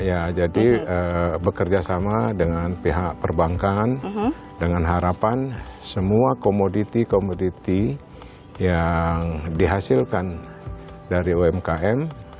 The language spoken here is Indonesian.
ya jadi bekerja sama dengan pihak perbankan dengan harapan semua komoditi komoditi yang dihasilkan dari umkm